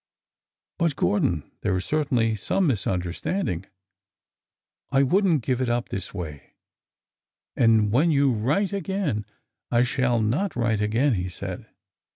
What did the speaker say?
But, Gordon, there is certainly some misunderstand ing. I would n't give it up this way— and when you write again—" I shall not write again," he said.